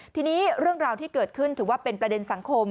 ทีนี้เรื่องราวที่เกิดขึ้นถือว่าเป็นประเด็นสังคม